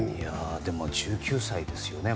でも、１９歳ですよね。